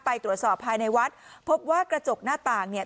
ไปตรวจสอบภายในวัดพบว่ากระจกหน้าต่างเนี่ย